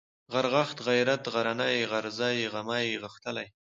غرغښت ، غيرت ، غرنى ، غرزی ، غمی ، غښتلی